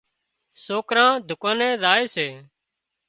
سوڪران دُڪاني زائي سي